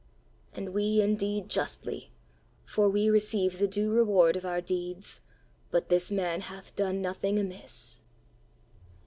"And we indeed justly; for we receive the due reward of our deeds; but this man hath done nothing amiss!"